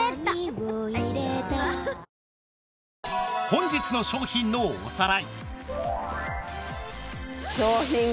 本日の商品のおさらい